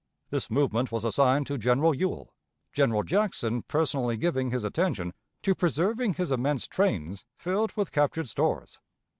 This movement was assigned to General Ewell, General Jackson personally giving his attention to preserving his immense trains filled with captured stores.